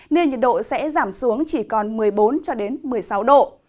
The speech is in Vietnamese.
nên nhiệt độ sẽ giảm xuống chỉ còn một mươi bốn cho đến một mươi sáu độ